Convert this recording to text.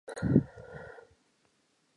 O nahana hore mongodi o dilemo di kae?